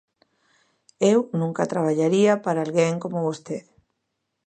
_Eu nunca traballaría para alguén como vostede.